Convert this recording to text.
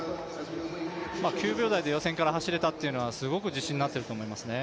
９秒台で予選から走れたっていうのはすごく自信になっていると思いますね。